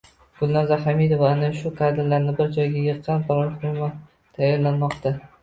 Gulnoza Homidova ana shu kadrlarni bir joyga yig‘gan platforma tayyorlamoqchi.